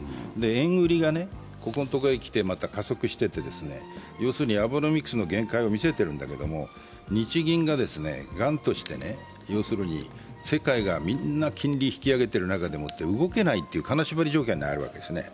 円売りがここのところへ来て、また加速していて、要するにアベノミクスの限界を見せてるんだけど、日銀が頑として、世界がみんな金利引き上げてる中でもって動けないという金縛り状態にあるんですね。